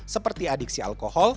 seperti adiksi alkohol